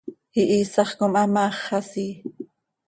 Ihiisax com hamaax xasii.